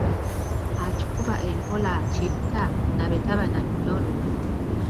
Akikuba empola akitta, nnabe taba na minyolo.